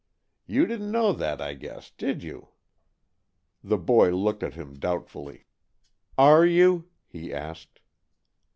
You didn't know that, I guess, did you?" The boy looked at him doubtfully. "Are you?" he asked.